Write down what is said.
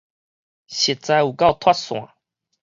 實在有夠脫線